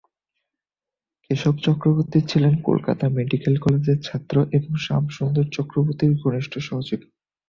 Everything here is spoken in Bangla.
কেশব চক্রবর্তী ছিলেন কলকাতা মেডিকেল কলেজের ছাত্র এবং শাম সুন্দর চক্রবর্তীর ঘনিষ্ঠ সহযোগী।